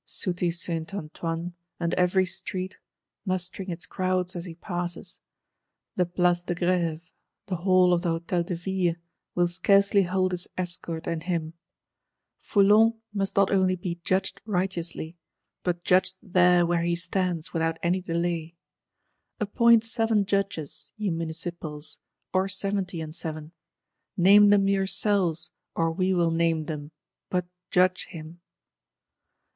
Sooty Saint Antoine, and every street, mustering its crowds as he passes,—the Place de Grève, the Hall of the Hôtel de Ville will scarcely hold his escort and him. Foulon must not only be judged righteously; but judged there where he stands, without any delay. Appoint seven judges, ye Municipals, or seventy and seven; name them yourselves, or we will name them: but judge him!